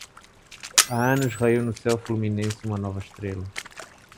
Há anos raiou no céu fluminense uma nova estrela.